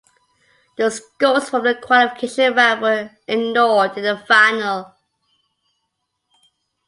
The scores from the qualification round were ignored in the final.